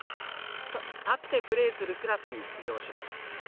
立ってプレーするクラスに出場します。